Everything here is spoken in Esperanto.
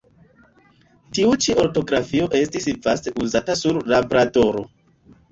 Tiu ĉi ortografio estis vaste uzata sur Labradoro.